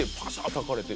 たかれて。